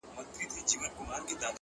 ستا پر ځنگانه اكثر;